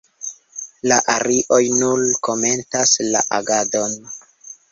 La arioj nur komentas la agadon.